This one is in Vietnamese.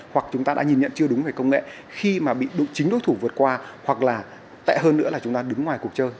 hoặc chúng ta đã nhìn nhận chưa đúng về công nghệ khi mà bị chính đối thủ vượt qua hoặc là tệ hơn nữa là chúng ta đứng ngoài cuộc chơi